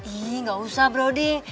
ih gak usah broding